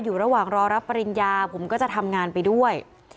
อยู่ระหว่างรอรับปริญญาผมก็จะทำงานไปด้วย